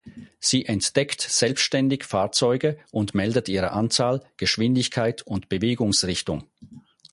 Sie entdeckt selbstständig Fahrzeuge und meldet ihre Anzahl, Geschwindigkeit und Bewegungsrichtung.